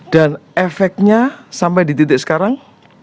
dan efeknya sampai di titik sekarang